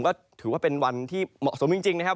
ก็ถือว่าเป็นวันที่เหมาะสมจริงนะครับ